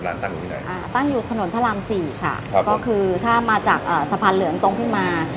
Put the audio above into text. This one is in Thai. ตั้งอยู่ที่ไหนอ่าตั้งอยู่ถนนพระรามสี่ค่ะครับก็คือถ้ามาจากสะพานเหลืองตรงขึ้นมา